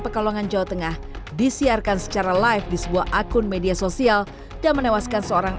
pekalongan jawa tengah disiarkan secara live di sebuah akun media sosial dan menewaskan seorang